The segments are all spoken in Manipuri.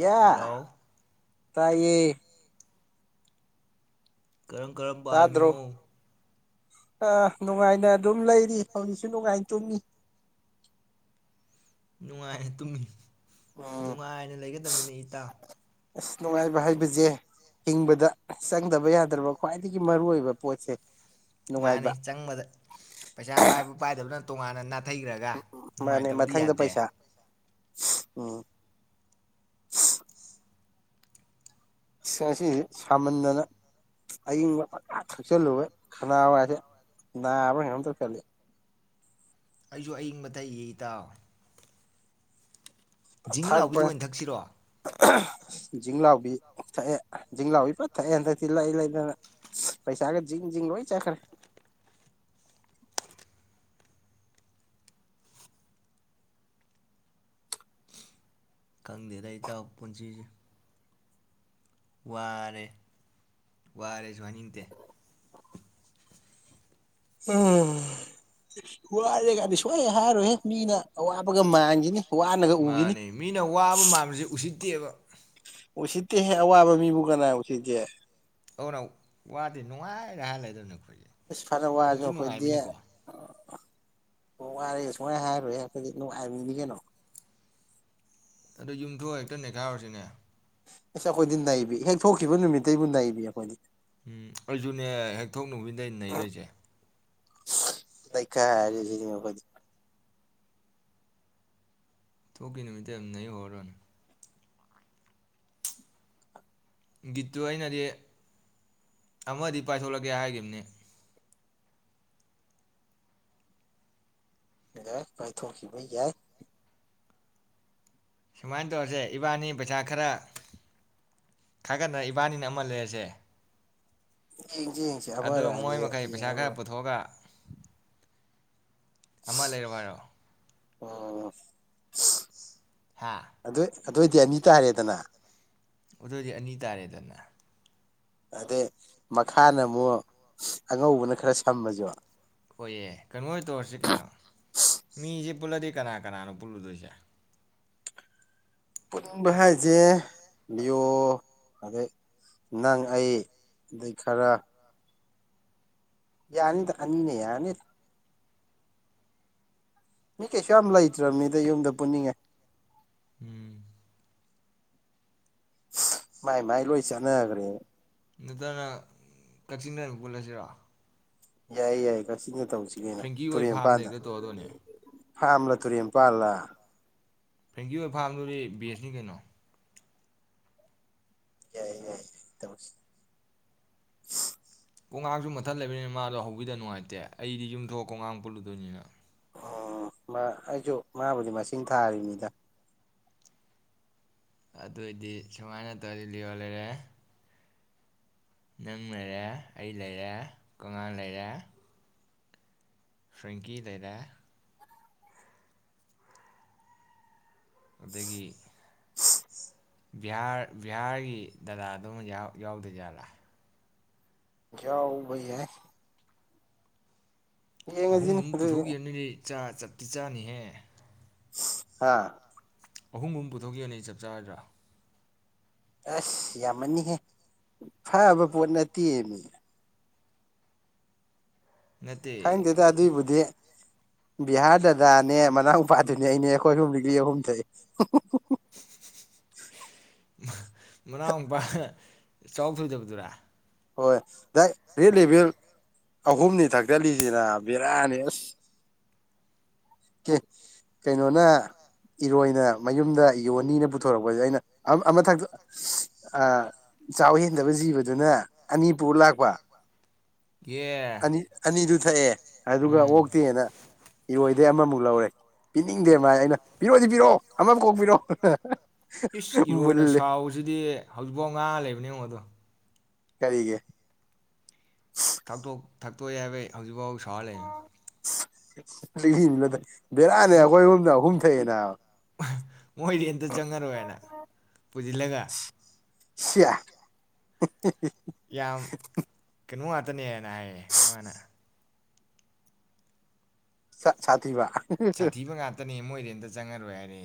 ꯌꯥ ꯍꯜꯂꯣ ꯇꯥꯏꯌꯦ ꯀꯔꯝ ꯀꯔꯝ ꯄꯥꯜꯂꯤꯃꯣ ꯑꯥ ꯅꯨꯡꯉꯥꯏꯅ ꯑꯗꯨꯝ ꯂꯩꯔꯤ ꯍꯧꯖꯤꯛꯁꯨ ꯅꯨꯡꯉꯥꯏꯅ ꯇꯨꯝꯃꯤ ꯅꯨꯡꯉꯥꯏꯅ ꯇꯨꯃꯤ ꯎꯝ ꯅꯨꯡꯉꯥꯏꯅ ꯂꯩꯒꯗꯕꯅꯤ ꯏꯇꯥꯎ ꯑꯁ ꯅꯨꯡꯉꯥꯏꯕ ꯍꯥꯏꯕꯁꯦ ꯍꯤꯡꯕꯗ ꯆꯪꯗꯕ ꯌꯥꯗ꯭ꯔꯕ ꯈ꯭ꯋꯥꯏꯗꯒꯤ ꯃꯔꯨꯑꯣꯏꯕ ꯄꯣꯠꯁꯦ ꯃꯥꯅꯦ ꯅꯨꯡꯉꯥꯏꯕ ꯆꯪꯕꯗ ꯄꯩꯁꯥ ꯄꯥꯏꯕ ꯄꯥꯏꯗꯕꯅ ꯇꯣꯉꯥꯟꯅ ꯊꯩꯈ꯭ꯔꯒ ꯃꯥꯅꯦ ꯅꯨꯡꯉꯥꯏꯇꯕꯗꯤ ꯃꯊꯪꯗ ꯌꯥꯗꯦ ꯄꯩꯁꯥ ꯎꯝ ꯉꯁꯤꯁꯤ ꯁꯥꯃꯟꯗꯅ ꯑꯏꯪꯕ ꯊꯛꯆꯜꯂꯨꯨꯔꯦ ꯈꯅꯥ ꯋꯥ ꯍꯥꯏꯁꯦ ꯅꯥꯕ ꯀꯦ ꯇꯛꯆꯜꯂꯤ ꯑꯩꯁꯨ ꯑꯏꯪꯕ ꯊꯛꯏꯌꯦ ꯏꯇꯥꯎ ꯖꯤꯡ ꯂꯥꯎꯕꯤꯗꯨ ꯑꯣꯏꯅ ꯊꯛꯁꯤꯔꯣ ꯑꯍ-ꯖꯤꯡꯂꯥꯎꯕꯤ ꯊꯛꯑꯦ ꯖꯤꯡ ꯂꯥꯎꯕꯤ ꯐꯟ ꯊꯛꯑꯦ ꯍꯟꯗꯛꯇꯤ ꯂꯩ-ꯂꯩꯗꯅ ꯄꯩꯁꯥꯒ ꯖꯤꯡ-ꯖꯤꯡ ꯂꯣꯏ ꯆꯠꯈ꯭ꯔꯦ ꯈꯪꯗꯦꯗ ꯏꯇꯥꯎ ꯄꯨꯟꯁꯤꯁ ꯋꯥꯔꯦ ꯋꯥꯔꯁꯨ ꯍꯥꯏꯅꯤꯡꯇꯦ ꯎꯝꯍ- ꯋꯥꯔꯦꯒꯗꯤ ꯁꯨꯛꯍꯥꯏ ꯍꯥꯏꯔꯣꯏꯍꯦ ꯃꯤꯅ ꯑꯋꯥꯕꯒ ꯃꯥꯟꯒꯤꯅꯤ ꯃꯥꯅꯦ ꯃꯤꯅ ꯋꯥꯕ ꯃꯥꯟꯕꯁꯦ ꯎꯁꯤꯠ ꯇꯦꯕ ꯎꯁꯤꯠꯇꯤꯍꯦ ꯑꯋꯥꯕ ꯃꯤꯕꯨ ꯀꯅꯥꯅ ꯎꯆꯁꯤꯠꯀꯦ ꯑꯗꯨꯅ ꯋꯥꯗꯦ ꯅꯨꯡꯉꯥꯏꯗ ꯍꯥꯏꯔ ꯂꯩꯗꯣ ꯏꯤꯁ ꯐꯅ ꯋꯥꯔꯁꯨ ꯈꯣꯏꯗꯤ ꯑꯣ ꯋꯥꯔꯦ ꯁꯨꯛꯍꯥꯏ ꯍꯥꯏꯔꯣꯏ ꯑꯩꯈꯣꯏꯗꯤ ꯅꯨꯡꯉꯥꯏꯃꯤꯅꯤ ꯀꯩꯅꯣ ꯑꯗꯣ ꯌꯨꯝꯊꯣꯛꯑꯒ ꯍꯦꯛꯇ ꯅꯩꯈꯥꯏꯔꯨꯔꯁꯤꯅꯦ ꯑꯁ ꯑꯩꯈꯣꯏꯗꯤ ꯅꯩꯕꯤ ꯍꯦꯛ ꯊꯣꯛꯈꯤꯕ ꯅꯨꯃꯤꯠꯇꯩꯕꯨ ꯅꯩꯕꯤ ꯑꯩꯈꯣꯏꯗꯤ ꯎꯝ ꯑꯩꯁꯨꯅꯦ ꯍꯦꯛ ꯊꯣꯛ ꯅꯨꯃꯤꯠꯇꯒꯤꯅꯦ ꯅꯩꯗꯣꯏꯁꯦ ꯅꯩꯈꯥꯏꯔꯁꯤꯅꯦ ꯑꯈꯣꯏꯗꯤ ꯊꯣꯛꯈꯤ ꯅꯨꯃꯤꯠꯇꯩ ꯗꯨꯝ ꯅꯩ ꯍꯧꯔꯗꯣꯅꯦ ꯒꯤꯠꯇꯨ ꯑꯩꯅꯗꯤ ꯑꯃꯗꯤ ꯄꯥꯏꯊꯣꯂꯛꯀꯦ ꯍꯥꯏꯒꯤꯕꯅꯤ ꯌꯥꯏ ꯄꯥꯏꯊꯣꯛꯈꯤꯕ ꯌꯥꯏ ꯁꯨꯃꯥꯏꯅ ꯇꯧꯔꯁꯦ ꯏꯕꯥꯅꯤ ꯄꯩꯁꯥ ꯈꯔ ꯈꯥꯒꯠꯅꯔ ꯏꯕꯥꯅꯤꯅ ꯑꯃ ꯂꯩꯔꯁꯦ ꯌꯦꯡꯁꯤ ꯌꯦꯡꯁꯤ ꯑꯗꯣ ꯑꯃꯔ ꯃꯣꯏ ꯑꯅꯤꯔ ꯃꯈꯩ ꯄꯩꯁꯥ ꯈꯔ ꯌꯦꯡꯉꯒ ꯄꯨꯊꯣꯛꯑꯒ ꯑꯃ ꯂꯩꯔꯣꯍꯥꯏꯔꯣ ꯍꯣꯍꯣ‌ ꯍ‌ꯣꯏ ꯍꯥ ꯑꯗꯣꯏꯗꯤ ꯑꯅꯤ ꯇꯥꯔꯦꯗꯅ ꯑꯗꯣꯏꯗꯤ ꯑꯅꯤ ꯇꯥꯔꯦꯗꯅ ꯑꯗꯩ ꯃꯈꯥꯅ ꯑꯃꯨꯛ ꯑꯉꯧꯕꯅ ꯈꯔ ꯁꯝꯃꯁꯨ ꯍꯣꯏꯌꯦ ꯀꯩꯅꯣ ꯑꯣꯏ ꯇꯧꯔꯁꯤ ꯀꯩꯅꯣ ꯃꯤꯁꯦ ꯄꯨꯜꯂꯗꯤ ꯀꯅꯥ- ꯀꯅꯥꯅꯣ ꯄꯨꯜꯂꯨꯗꯣꯏꯁꯦ ꯄꯨꯟꯕ ꯍꯥꯏꯁꯦ ꯂꯤꯌꯣ ꯑꯗꯩ ꯅꯪ-ꯑꯩ ꯑꯗꯩ ꯈꯔ ꯌꯥꯅꯤꯗ ꯑꯅꯤꯅ ꯌꯥꯅꯤꯗ ꯃꯤ ꯀꯩꯁꯨ ꯌꯥꯝ ꯂꯩꯇ꯭ꯔꯕꯅꯤꯗ ꯌꯨꯝꯗ ꯄꯨꯅꯤꯡꯉꯥꯏ ꯎꯨꯝ ꯃꯥꯏ-ꯃꯥꯏ ꯂꯣꯏ ꯆꯥꯟꯅꯒ꯭ꯔꯦꯕ ꯅꯠꯇꯅ ꯀꯛꯆꯤꯡꯗ ꯑꯣꯏꯅ ꯄꯨꯜꯂꯁꯤꯔꯣ ꯌꯥꯏ-ꯌꯥꯏ ꯀꯛꯆꯤꯡꯗ ꯇꯧꯁꯤ ꯀꯩꯅꯣ ꯐ꯭ꯔꯦꯡꯀꯤ ꯍꯣꯏ ꯇꯨꯔꯦꯜ ꯐꯥꯝꯗ ꯃꯄꯥꯟꯗ ꯍꯦꯛꯇ ꯇꯧꯔꯗꯣꯏꯅꯦ ꯐꯥꯝꯂ ꯇꯨꯔꯦꯟ ꯃꯄꯥꯜꯂ ꯐ꯭ꯔꯦꯡꯀꯤꯋꯣꯏ ꯐꯥꯝꯗꯨꯗꯤ ꯕꯦꯁꯅꯤ ꯀꯩꯅꯣ ꯌꯥꯏ-ꯌꯥꯏ ꯇꯧꯁꯤ ꯀꯣꯛꯉꯥꯡꯁꯨ ꯃꯊꯟ ꯂꯩꯕꯅꯤꯅ ꯃꯥꯗꯣ ꯍꯧꯕꯤꯗ ꯅꯨꯡꯉꯥꯏꯇꯦ ꯑꯩꯗꯤ ꯌꯨꯝꯊꯣꯛꯑꯒ ꯀꯣꯛꯒꯥꯡ ꯄꯨꯜꯂꯨꯗꯣꯏꯅꯤꯅ ꯑꯣ ꯑꯩꯁꯨ ꯃꯥꯕꯨꯗꯤ ꯃꯁꯤꯡ ꯊꯥꯔꯤꯕꯅꯤꯗ ꯑꯗꯨꯑꯣꯏꯗꯤ ꯁꯨꯃꯥꯏꯅ ꯇꯧꯔꯁꯤ ꯂꯤꯌꯣ ꯂꯩꯔꯦ ꯅꯪ ꯂꯩꯔꯦ ꯑꯩ ꯂꯩꯔꯦ ꯀꯣꯛꯉꯥꯡ ꯂꯩꯔꯦ ꯐ꯭ꯔꯦꯡꯀꯤ ꯂꯩꯔꯦ ꯑꯗꯒꯤ- ꯕꯤꯍꯥꯔ ꯕꯤꯍꯥꯔꯒꯤ ꯗꯗꯥꯗꯨꯃ ꯌꯥꯎ ꯌꯥꯎꯗꯣꯏꯖꯥꯠꯂꯥ ꯌꯥꯎꯕ ꯌꯥꯏ ꯌꯦꯡꯉꯁꯤꯅꯦ ꯑꯍꯨꯝꯒꯨꯝ ꯑꯗꯨꯗꯤ ꯄꯨꯊꯣꯛꯈꯤꯕꯅꯗꯤ ꯆꯥ ꯆꯠ ꯇꯤꯆꯥꯥꯅꯤꯍꯦ ꯐꯁ-ꯍꯥꯥ- ꯑꯍꯨꯝ ꯒꯨꯝ ꯄꯨꯊꯣꯛꯈꯤꯕꯅꯗꯤ ꯆꯞ ꯆꯥꯔꯣꯏꯗ꯭ꯔꯣ? ꯑꯁ ꯌꯥꯝꯃꯟꯅꯤꯍꯦ ꯐꯕ ꯄꯣꯠ ꯅꯠꯇꯦ ꯃꯤ ꯅꯠꯇꯦ ꯈꯪꯗꯦꯗ ꯑꯗꯨꯏꯕꯨꯗꯤ ꯕꯤꯍꯥꯔ ꯗꯗ ꯗꯥꯅꯦ ꯃꯅꯥꯎ ꯄꯥꯗꯨꯅꯦ ꯑꯩꯅꯦ ꯑꯩꯈꯣꯏ ꯑꯍꯨꯝ ꯂꯤꯛꯂꯤ ꯑꯍꯨꯝ ꯊꯛꯏ ꯎꯝ ꯍꯝ-ꯍꯝ-ꯍꯝ- ꯃꯅꯥꯎ ꯄꯥ ꯆꯥꯎ ꯊꯣꯏꯗꯕꯗꯨꯔꯥ ꯍꯣꯏ ꯗꯥꯏꯔꯦꯛ ꯔꯦꯠ ꯂꯦꯚꯦꯜ ꯑꯍꯨꯝꯅꯤ ꯊꯛꯇꯠꯂꯤꯖꯦ ꯅꯥꯕ ꯕꯤꯔꯥꯅꯤ ꯑꯁ ꯑꯦ ꯀꯩꯅꯣꯅ ꯏꯔꯣꯏꯅ ꯃꯌꯨꯝꯗ ꯌꯣꯟꯅꯤꯅ ꯄꯨꯊꯣꯔꯛꯄꯖꯦ ꯑꯩꯅ ꯑꯃ ꯑꯃ ꯊꯛꯇꯣꯛ ꯁꯍ-ꯑꯑ ꯆꯥꯎ ꯍꯦꯟꯗꯕ ꯖꯤꯕꯗꯨꯅ ꯑꯅꯤ ꯄꯨꯔ ꯂꯥꯛꯄ ꯑꯦ ꯑꯅꯤ ꯑꯅꯤꯗꯨ ꯊꯛꯑꯦ- ꯑꯗꯨꯒ ꯎꯝ ꯑꯣꯛꯇꯦꯅ ꯏꯔꯣꯏ ꯑꯗꯩ ꯑꯃꯃꯨꯛ ꯂꯧꯔꯦ ꯄꯤꯅꯤꯡꯗꯦ ꯃꯥꯥꯖꯦ ꯑꯩꯅ ꯄꯤꯔꯛꯑꯣꯗꯤ ꯄꯤꯔꯛꯑꯣ ꯑꯃ ꯀꯣꯛ ꯄꯤꯔꯛꯑꯣ ꯍꯍ ꯏꯁ ꯏꯔꯣꯏꯅ ꯁꯥꯎꯕꯁꯤꯗꯤ ꯍꯧꯖꯤꯛꯐꯥꯎ ꯉꯥꯡꯉ ꯂꯩꯕꯅꯤ ꯉꯣ ꯑꯗꯣ ꯀꯩꯒꯦ ꯇꯣꯛ ꯊꯛꯇꯣꯛꯑꯦ ꯍꯥꯏꯕꯩ ꯍꯧꯖꯤꯛꯐꯥꯎ ꯁꯥꯎ ꯁꯥꯎꯔꯥ ꯂꯩꯕꯅꯤ ꯑꯁ-ꯂꯩꯕꯤꯕꯖꯨ ꯅꯠꯇ ꯃꯣꯏ ꯑꯍ--ꯃꯣꯏꯗꯤ ꯑꯝꯇ ꯆꯪꯉꯔꯣꯏꯅ ꯄꯨꯁꯤꯜꯂꯒ ꯁꯤꯌꯥ ꯍꯤ-ꯍꯤ-ꯍꯤ- ꯌꯥꯝ ꯀꯩꯅꯣ ꯉꯥꯛꯇ ꯇꯅꯦꯃꯦ ꯌꯥꯏꯌꯦ ꯃꯥꯅ ꯁꯥ ꯁꯥꯊꯤꯕ ꯁꯥꯊꯤꯕ ꯉꯥꯛꯇꯅꯤ ꯃꯣꯏ ꯔꯦꯟꯇ ꯆꯪꯉꯔꯣꯏ ꯍꯥꯏꯔꯦ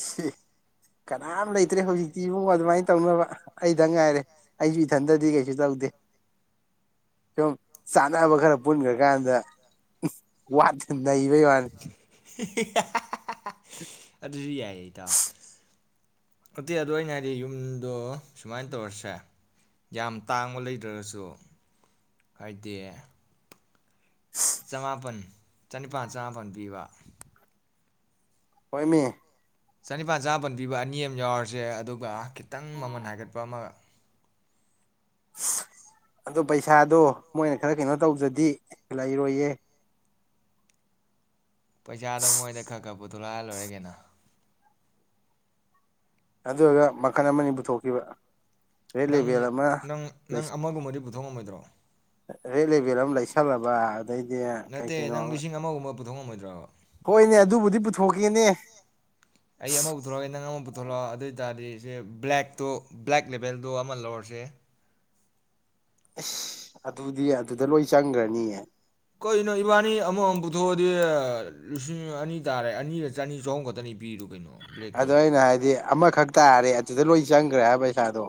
ꯁꯤ ꯀꯅꯥꯝ ꯂꯩꯇ꯭ꯔꯦ ꯍꯧꯖꯤꯛꯇꯤ ꯏꯕꯨꯡꯉꯣ ꯑꯗꯨꯃꯥꯏ ꯇꯧꯅꯕ ꯑꯩꯗꯪ ꯉꯥꯏꯔꯦ ꯑꯩꯁꯨ ꯏꯊꯟꯇꯗꯤ ꯀꯩꯁꯨ ꯇꯧꯗꯦ ꯁꯨꯝ ꯆꯥꯅꯕ ꯈꯔ ꯄꯨꯟꯈ꯭ꯔꯀꯥꯟꯗ ꯋꯥꯠ ꯅꯩꯕꯩ ꯋꯥꯅꯤ ꯑꯗꯨꯁꯨ ꯌꯥꯏꯌꯦ ꯏꯇꯥꯎ ꯅꯠꯇꯦ ꯑꯗꯣ ꯑꯩꯅ ꯍꯥꯏꯗꯤ ꯌꯨꯝꯗꯣ ꯁꯨꯃꯥꯏꯅ ꯇꯧꯔꯁꯦ ꯌꯥꯝ ꯇꯥꯡꯕ ꯂꯩꯇ꯭ꯔꯒꯁꯨ ꯍꯥꯏꯗꯤ ꯆꯃꯥꯄꯟ ꯆꯅꯤꯄꯥꯟ ꯆꯃꯥꯄꯟ ꯄꯤꯕ ꯍꯣꯏꯃꯤ ꯆꯅꯤꯄꯥꯜ ꯆꯥꯄꯄꯟ ꯄꯤꯕ ꯑꯅꯤ ꯑꯃ ꯌꯥꯎꯔꯁꯦ ꯑꯗꯨꯒ ꯈꯤꯇꯪ ꯃꯃꯟ ꯍꯥꯏꯒꯠꯄ ꯑꯃꯒ ꯑꯗꯨ ꯄꯩꯁꯥꯗꯨ ꯃꯣꯏꯅ ꯈꯔ ꯀꯩꯅꯣ ꯇꯧꯗ꯭ꯔꯗꯤ ꯂꯩꯔꯣꯏꯌꯦ ꯄꯩꯁꯥꯗꯣ ꯃꯣꯏꯗ ꯈ-ꯈ ꯄꯨꯊꯣꯂꯛꯑꯣ ꯍꯥꯏꯔ ꯂꯣꯏꯔꯦ ꯀꯩꯅꯣ ꯑꯗꯨꯔꯒ ꯃꯈꯜ ꯑꯃ-ꯑꯅꯤ ꯄꯨꯊꯣꯛꯈꯤꯕ ꯔꯦꯠ ꯂꯦꯕꯦꯜ ꯑꯃ ꯅꯪ-ꯅꯪ-ꯅꯪ ꯑꯃꯒꯨꯝ ꯕꯗꯤ ꯊꯣꯡ ꯉꯝꯃꯣꯏꯗ꯭ꯔꯣ ꯔꯦꯗ ꯂꯦꯕꯦꯜ ꯑꯝ ꯂꯩꯁꯜꯂꯕ ꯑꯗꯩꯗꯤ ꯀꯩ ꯅꯠꯇꯦ ꯀꯩꯅꯣ ꯅꯪ ꯂꯤꯁꯤꯡ ꯑꯃꯒꯨꯝꯕ ꯄꯨ- ꯄꯨꯊꯣꯛ ꯉꯝꯃꯣꯏꯗ꯭ꯔ ꯍꯣꯏꯅꯦ ꯑꯗꯨꯕꯨꯗꯤ ꯄꯨꯊꯣꯛꯀꯦꯅꯦ ꯑꯩ ꯑꯃ ꯄꯨꯊꯣꯔꯛꯑꯒꯦ ꯅꯪ ꯑꯃ ꯄꯨ ꯊꯣꯛꯂꯛꯑꯣ ꯑꯗꯨꯑꯣꯏ ꯇꯥꯔꯗꯤ ꯁꯦ ꯕ꯭ꯂꯦꯛꯇꯣ-ꯕ꯭ꯂꯦꯛ ꯂꯦꯚꯦꯜꯗꯣ ꯑꯃ ꯂꯧꯔꯁꯦ ꯏꯁ ꯑꯗꯨꯗꯤ ꯑꯗꯨꯗ ꯂꯣꯏ ꯆꯪꯒ꯭ꯔꯅꯤꯌꯦ ꯀꯅꯣ ꯏꯕꯥꯅꯤ ꯑꯃꯃꯝ ꯄꯨꯊꯣꯛꯑꯗꯤ ꯂꯤꯁꯤꯡ ꯑꯅꯤ ꯇꯥꯔꯦ ꯑꯅꯤꯒ ꯆꯅꯤ ꯆꯍꯨꯝ ꯈꯛꯇꯅꯤ ꯄꯤꯔꯨꯕ ꯑꯗꯣ ꯑꯩꯅ ꯍꯥꯏꯗꯤ ꯑꯃꯈꯛ ꯇꯥꯔꯦ ꯑꯗꯨꯗ ꯂꯣꯏ ꯆ- ꯆꯪꯒ꯭ꯔꯦ ꯍꯥꯏꯕ ꯄꯩꯁꯥꯗꯣ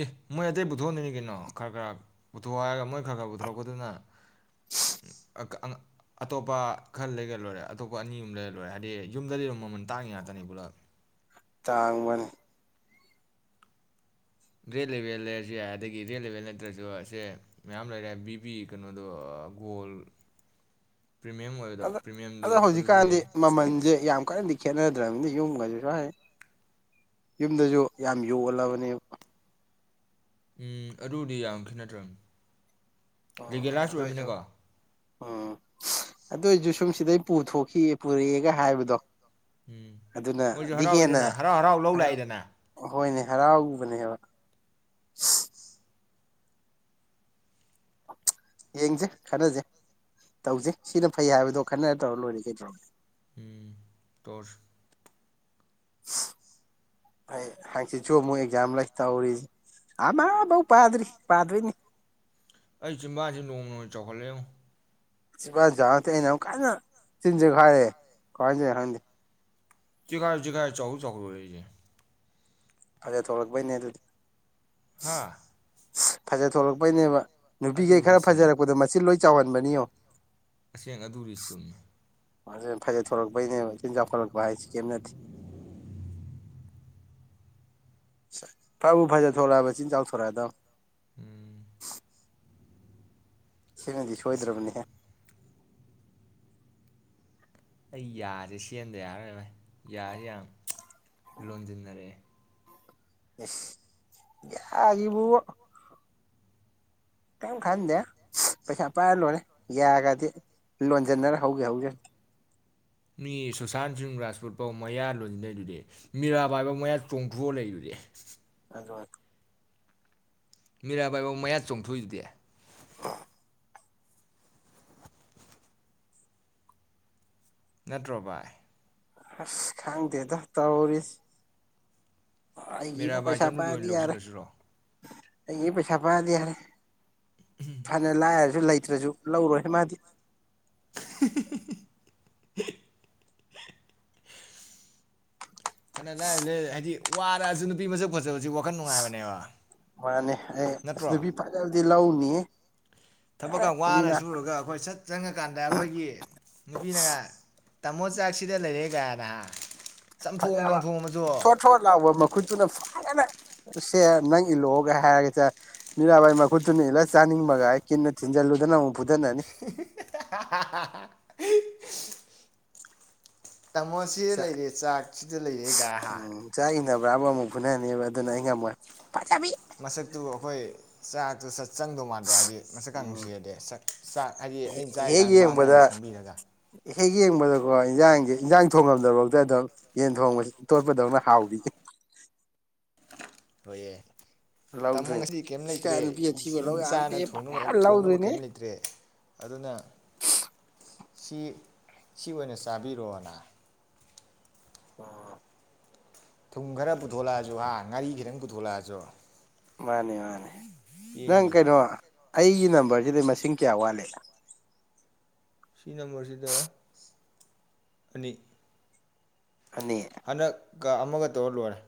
ꯑꯦ ꯃꯣꯏ ꯑꯇꯩ ꯄꯨꯊꯣꯛꯍꯟꯗꯣꯏꯅꯤ ꯀꯩꯅꯣ ꯈꯔ-ꯈꯔ ꯄꯨꯊꯣꯛꯑꯣ ꯍꯥꯏꯔꯒ ꯃꯣꯏ ꯈꯔ-ꯈꯔ ꯄꯨꯊꯣꯔꯛꯄꯗꯨꯅ ꯑ-ꯑꯪ ꯑꯇꯣꯞꯄ ꯈꯔ ꯂꯩꯒ꯭ꯔ ꯂꯣꯏꯔꯦ ꯑꯇꯣꯞꯄ ꯑꯅꯤ ꯑꯨꯝ ꯂꯩꯔ ꯂꯣꯏꯔꯦ ꯍꯥꯏꯗꯤ ꯌꯨꯝꯗꯗꯤ ꯑꯗꯨꯝ ꯃꯃꯜ ꯇꯥꯡꯉꯤ ꯉꯥꯛꯇꯅꯤ ꯄꯨꯂꯞ ꯇꯥꯡꯕꯅꯤ ꯔꯦꯠ ꯂꯦꯚꯦꯜ ꯂꯩꯔꯖꯨ ꯌꯥꯏ ꯑꯗꯒꯤ ꯔꯦꯠ ꯂꯦꯚꯦꯜ ꯅꯠꯇ꯭ꯔꯖꯨ ꯑꯁꯦ ꯃꯌꯥꯝ ꯂꯩꯔꯦ ꯕꯤꯕꯤ ꯀꯩꯅꯣꯗꯣ ꯑꯥ ꯒꯣꯜ ꯄ꯭ꯔꯤꯃꯤꯌꯝ ꯑꯣꯏꯕꯗꯣ ꯄ꯭ꯔꯤꯃꯤꯌꯝꯗꯣ ꯑꯗ-ꯑꯗ ꯑꯗꯨꯁꯨ ꯍꯧꯖꯤꯛꯀꯥꯟꯗꯤ ꯌꯥꯏ ꯃꯃꯜꯁꯦ ꯌꯥꯝ ꯀꯟꯅꯗꯤ ꯈꯦꯠꯅꯗ꯭ꯔꯕꯅꯤ ꯌꯨꯝꯒꯁꯨ [unintelligible] ꯌꯨꯝꯗꯖꯨ ꯌꯥꯝ ꯌꯣꯜꯂꯕꯅꯦꯕ ꯎꯨꯝ ꯑꯗꯨꯕꯨꯗꯤ ꯌꯥꯝ ꯈꯦꯠꯅꯗ꯭ꯔꯕꯅꯤ ꯔꯤꯒꯦꯜꯂꯥꯏꯁ ꯑꯣꯏꯔꯝꯃꯤꯅꯀꯣ ꯑꯥ ꯑꯗꯨ ꯑꯣꯏꯖꯨ ꯁꯨꯝ ꯁꯤꯗꯩ ꯄꯨꯊꯣꯛꯈꯤ ꯄꯨꯔꯛꯑꯦꯒ ꯍꯥꯏꯕꯗꯣ ꯎꯨꯝ ꯃꯣꯏꯁꯨ ꯑꯗꯨꯅꯗꯤ ꯍꯦꯟꯅ ꯍꯔꯥꯎꯏꯗꯅ ꯍꯔꯥꯎ-ꯍꯔꯥꯎ ꯂꯧ ꯂꯥꯛꯏꯗꯅ ꯍꯔꯥꯎꯕꯅꯦꯕ-ꯁꯍ ꯌꯦꯡꯁꯦ ꯈꯟꯅꯁꯦ ꯇꯧꯁꯦ ꯁꯤꯅ ꯐꯩ ꯍꯥꯏꯕꯗꯣ ꯈꯟꯅꯔ ꯇꯧꯔ ꯂꯣꯏꯔꯦ ꯀꯩꯗꯧꯔꯒꯦ ꯎꯨꯝ ꯇꯧꯔꯁꯤ ꯁꯍ ꯑꯩ ꯍꯡꯆꯤꯠꯁꯨ ꯑꯃꯨꯛ ꯑꯦꯛꯖꯥꯝ ꯂꯩ ꯇꯧꯔꯤꯁꯦ ꯑꯃꯐꯥꯎ ꯄꯥꯗ꯭ꯔꯤ ꯄꯥꯗ꯭ꯣꯏꯅꯤ ꯑꯩ ꯆꯤꯝꯕꯥꯁꯦ ꯅꯣꯡꯃ-ꯅꯣꯡꯃꯒꯤ ꯆꯥꯎꯈꯠꯂꯛꯑꯦꯉꯣ ꯁꯤꯝꯕꯥꯜ ꯆꯥꯎ ꯅꯇꯦ ꯑꯩꯅ ꯑꯃꯨꯛ ꯀꯟꯅ ꯆꯤꯟ ꯆꯦꯈꯥꯏꯔꯦ ꯀꯃꯥꯏꯟ ꯇꯧꯔꯤꯅꯣ ꯈꯪꯗꯦ ꯆꯦꯈꯥꯏꯁꯨ ꯆꯦꯈꯥꯏ ꯆꯧꯎꯁꯨ ꯆꯥꯎꯈꯠꯂꯦ ꯑꯩꯁꯦ ꯐꯖ ꯊꯣꯛꯂꯛꯄꯩꯅꯦ ꯑꯗꯨꯗꯤ ꯍꯥꯥ ꯁꯍ- ꯐꯖꯥ ꯊꯣꯛꯂꯛꯄꯩꯅꯦꯕ ꯅꯨꯄꯤꯁꯦ ꯑꯗꯨꯕꯨꯗꯤ ꯈꯔ ꯆꯨꯝꯕ ꯐꯖꯔꯛꯄꯗ ꯃꯆꯤꯟ ꯂꯣꯏ ꯆꯥꯎꯒꯟꯕꯅꯤ ꯌꯣ ꯑꯁꯦꯡ ꯑꯗꯨꯕꯨꯗꯤ ꯆꯨꯝꯃꯤ ꯑꯗꯨ ꯐꯖ ꯊꯣꯂꯛꯄꯩꯅꯦ ꯆꯤꯟ ꯆꯥꯛꯈꯠꯂꯛꯄ ꯍꯥꯏꯁꯤ ꯀꯩꯝ ꯅꯠꯇꯦ ꯐꯕꯨ ꯐꯖ ꯊꯣꯔꯛꯑꯕ ꯆꯤꯟ ꯆꯥꯎꯊꯣꯔꯛꯑꯗꯣꯅꯤ ꯎꯨꯝ ꯁꯤꯅꯗꯤ ꯑꯁ ꯁꯣꯏꯗ꯭ꯔꯕꯅꯤꯍꯦ ꯑꯩ ꯌꯥꯁꯦ ꯁꯦꯝꯗ ꯌꯥꯔꯔꯣꯏ ꯕꯥꯏ ꯌꯥꯖꯦ ꯌꯥꯝ ꯂꯣꯟꯖꯤꯟꯅꯔꯛꯑꯦ ꯁꯍ- ꯌꯥꯒꯤꯕꯨ ꯀꯔꯤꯝ ꯈꯟꯗꯦ ꯁꯍ- ꯄꯩꯁꯥ ꯄꯥꯏꯔ ꯂꯣꯏꯔꯦ ꯌꯥꯒꯗꯤ ꯂꯣꯟꯖꯟꯅꯔ ꯍꯧꯒꯦ ꯍꯧꯖꯅꯨ ꯃꯤ ꯁꯨꯁꯥꯟ ꯁꯤꯡ ꯔꯥꯖꯄꯨꯠ ꯄꯧ ꯃꯌꯥ ꯂꯣꯟꯖꯤꯟꯅꯩꯗꯨꯗꯤ ꯃꯤꯔꯥꯕꯥꯏꯕꯧ ꯃꯌꯥ ꯆꯣꯡꯊꯣꯛꯑ ꯂꯩꯗꯨꯗꯤ ꯑꯗꯨ ꯃꯤꯔꯥꯕꯥꯏꯕꯧ ꯃꯌꯥ ꯆꯣꯡꯊꯣꯛꯏꯗꯨꯗꯤ ꯅꯠꯇ꯭ꯔꯣ ꯚꯥꯏ ꯑꯁ ꯈꯪꯗꯦꯗ ꯇꯧꯔꯤꯖꯦ ꯑꯩꯒꯤꯕꯨ ꯃꯤꯔꯥꯕꯥꯏ ꯄꯩꯁꯥ ꯆꯅꯨꯗ ꯑꯣꯏꯅ ꯄꯥꯏꯔꯗꯤ ꯌꯥꯔꯦ ꯂꯧꯁꯤꯜꯂꯁꯤꯔꯣ ꯑꯩꯒꯤꯕꯨ ꯄꯩꯁꯥ ꯄꯥꯏꯔꯗꯤ ꯌꯥꯔꯦ ꯐꯅ ꯂꯥꯏꯔꯖꯨ ꯂꯩꯇ꯭ꯔꯖꯨ ꯂꯧꯔꯣꯏꯍꯦ ꯃꯥꯗꯤ [unintelligible] ꯐꯅ ꯂꯥꯏꯔ ꯂꯩ ꯍꯥꯏꯗꯤ ꯋꯥꯔꯛꯑꯁꯨ ꯅꯨꯄꯤ ꯃꯁꯛ ꯐꯖꯕꯁꯤ ꯋꯥꯈꯜ ꯅꯨꯡꯉꯥꯏꯕꯅꯦꯕ ꯃꯥꯅꯦ ꯑꯩ ꯑꯁ ꯅꯠꯇ꯭ꯔꯣ ꯅꯨꯄꯤ ꯐꯖꯕꯗꯤ ꯗꯤ ꯂꯧꯅꯤꯍꯦ ꯊꯕꯛꯀ ꯋꯥꯅ ꯁꯨꯔꯨꯔꯒ ꯑꯩꯈꯣꯏ ꯁꯠ ꯆꯪꯉꯀꯥꯟꯗ ꯑꯩꯈꯣꯏꯒꯤ ꯅꯨꯄꯤꯅ ꯒ ꯇꯥꯃꯣ ꯆꯥꯛꯁꯤꯗ ꯂꯩꯔꯦ ꯒꯥꯅ ꯍꯥ ꯐꯖꯕ ꯊꯣꯠ ꯊꯣꯠ ꯂꯥꯎꯕ ꯃꯈꯨꯠꯇꯨꯅ ꯐꯠ ꯑꯁ ꯁꯦ ꯅꯪ ꯏꯜꯂꯛꯑꯣꯒ ꯍꯥꯏꯔꯒ ꯆꯥꯛ ꯃꯤꯔꯥꯕꯥꯏ ꯃꯈꯨꯠꯇꯨꯅ ꯏꯜꯂ ꯆꯥꯅꯤꯡꯕꯒꯥꯌꯦ ꯀꯤꯟꯅ ꯊꯤꯟꯖꯜꯂꯨꯗꯅ ꯑꯃꯨꯛ ꯐꯨꯗꯠꯅꯅꯤ ꯍꯥ ꯍꯥ ꯍꯥ ꯍꯤꯛ ꯇꯥꯃꯣꯁꯤꯗ ꯂꯩꯔꯦ ꯆꯥꯛ ꯁꯤꯗ ꯂꯩꯔꯦ ꯒꯥ ꯍꯥꯥ ꯄꯨꯔꯥꯕꯨ ꯑꯃꯨꯛ ꯐꯨꯅꯅꯦꯕ ꯑꯗꯨꯅ ꯑꯩ ꯉꯝꯃꯣꯏ ꯐꯖꯕꯤ ꯃꯁꯛꯇꯨ ꯑꯩꯈꯣꯏ ꯆꯥꯛꯇꯨ ꯁꯠ ꯆꯪꯗꯧ ꯃꯥꯟꯗ꯭ꯔꯣ ꯍꯥꯏꯗꯤ ꯃꯁꯛꯀꯥꯡ ꯎꯝ ꯅꯨꯡꯁꯤꯔꯗꯤ ꯁꯛ ꯆꯥꯛ ꯍꯥꯏꯗꯤ ꯑꯩꯅ ꯆꯥꯔꯤ ꯍꯦꯛ ꯀꯥꯟ ꯃꯥꯡꯅꯒꯥꯡ ꯌꯦꯡꯕꯗ ꯁꯪꯕꯤꯔꯒ ꯍꯦꯛ ꯌꯦꯡꯕꯗꯀꯣ ꯏꯟꯖꯥꯡꯖꯦ ꯏꯟꯖꯥꯡ ꯊꯣꯡꯉꯝꯗ꯭ꯔꯕꯧꯇꯥ ꯑꯗꯨꯝ ꯌꯦꯟ ꯊꯣꯡꯕ ꯇꯣꯠꯄꯗꯧꯅ ꯍꯥꯎꯕꯤ ꯍꯣꯏꯌꯦ ꯇꯥꯃꯣ ꯂꯧꯗꯣꯏꯅꯤ ꯉꯁꯤꯗꯤ ꯀꯦꯝ ꯁꯤ ꯂꯩꯇ꯭ꯔꯦ ꯀꯥꯏ ꯅꯨꯄꯤ ꯑꯊꯤꯕ ꯌꯨꯝ ꯂꯧ ꯌꯥꯕ ꯆꯥꯅ ꯅꯠꯇꯦ ꯊꯣꯡꯅꯕ ꯀꯔꯤꯝ ꯐꯖꯅ ꯊꯣꯡꯅꯕ ꯂꯧꯗꯣꯏꯅꯤ ꯀꯩꯝ ꯂꯩꯇ꯭ꯔꯦ ꯑꯗꯨꯅ ꯁꯤ ꯁꯤ ꯑꯣꯏꯅ ꯆꯥꯕꯤꯔꯣꯅ [unintelligible] ꯊꯨꯝ ꯈꯔ ꯄꯨꯊꯣꯛꯂꯛꯑꯁꯨ ꯍꯥ ꯉꯥꯔꯤ ꯈꯤꯇꯪ ꯄꯨꯊꯣꯛꯂꯛꯑꯁꯨ- ꯃꯥꯅꯦ ꯃꯥꯅꯦ ꯅꯪ ꯀꯩꯅꯣ ꯄꯦꯟꯅꯦꯕ ꯑꯩꯒꯤ ꯅꯝ ꯕꯔꯖꯤꯗꯩ ꯃꯁꯤꯡ ꯀꯌꯥ ꯋꯥꯠꯂꯤ ꯁꯤ ꯅꯝꯕꯔꯖꯤꯗ ꯑꯅꯤ ꯑꯅꯤ- ꯀ ꯑꯃꯒ ꯇꯧꯔ ꯂꯣꯏꯔꯦ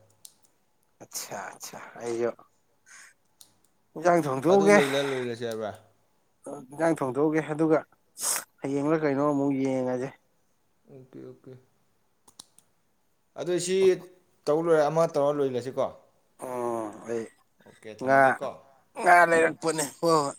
ꯑꯠꯁꯥ ꯑꯠꯁꯥ ꯑꯩꯖꯨ ꯑꯗꯨ ꯂꯣꯏꯖꯤꯜꯂ ꯂꯣꯏꯖꯤꯜꯂꯖꯤ ꯍꯥꯏꯕ꯭ꯔꯥ ꯏꯟꯖꯥꯡ ꯊꯣꯡꯗꯣꯛꯎꯒꯦ ꯑꯗꯨꯒ ꯍꯌꯦꯡꯂ ꯀꯩꯅꯣ ꯑꯃꯨꯛ ꯌꯦꯡꯉꯁꯦ ꯑꯣꯀꯦ ꯑꯣꯀꯦ ꯑꯗꯨ ꯁꯤ ꯇꯧ ꯂꯣꯏꯔ ꯑꯃ ꯇꯧꯔꯒ ꯂꯣꯏꯔꯁꯤꯀꯣ ꯑꯣ ꯑꯩ ꯑꯣꯀꯦ ꯉꯥ ꯊꯝꯃꯒꯦꯀꯣ ꯉꯥ ꯂꯩꯔꯛꯄꯅꯦ ꯍꯣꯏ ꯍꯣꯏ